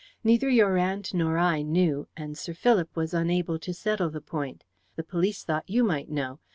Neither your aunt nor I knew, and Sir Philip was unable to settle the point. The police thought you might know.